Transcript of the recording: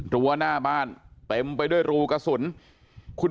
รั้วหน้าบ้านเต็มไปด้วยรูกระสุนคุณ